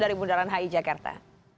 dari bundaran hi jakarta